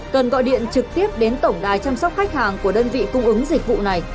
cần gọi điện trực tiếp đến tổng đài chăm sóc khách hàng của đơn vị cung ứng dịch vụ này